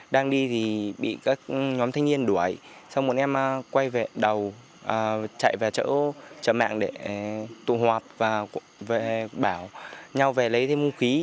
đang đi thì bị các nhóm thanh niên đuổi xong một em quay về đầu chạy về chợ mạng để tụ hoạt và bảo nhau về lấy thêm hung khí